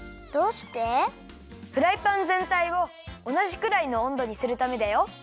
フライパンぜんたいをおなじくらいのおんどにするためだよ。